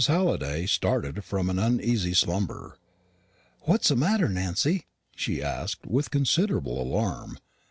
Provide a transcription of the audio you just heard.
Halliday started from an uneasy slumber. "What's the matter, Nancy?" she asked with considerable alarm.